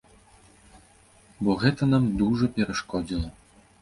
Бо гэта нам дужа перашкодзіла.